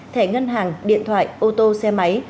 thẻ ngân hàng điện thoại ô tô xe máy